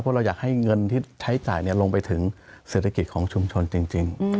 เพราะเราอยากให้เงินที่ใช้จ่ายลงไปถึงเศรษฐกิจของชุมชนจริง